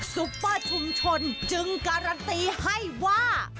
ซุปเปอร์ชุมชนจึงการันตีให้ว่า